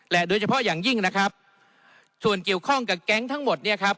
โดยเฉพาะอย่างยิ่งนะครับส่วนเกี่ยวข้องกับแก๊งทั้งหมดเนี่ยครับ